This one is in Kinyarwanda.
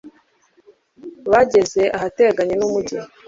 bageze ahateganye n'umugi